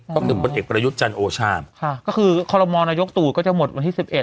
ก็คือผลเอกประยุทธ์จันทร์โอชาค่ะก็คือคอลโมนายกตู่ก็จะหมดวันที่๑๑